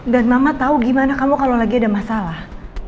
mama tahu gimana kamu kalau lagi ada masalah